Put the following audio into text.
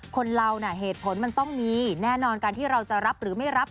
คนเราน่ะเหตุผลมันต้องมีแน่นอนการที่เราจะรับหรือไม่รับ